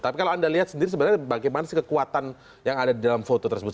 tapi kalau anda lihat sendiri sebenarnya bagaimana sih kekuatan yang ada di dalam foto tersebut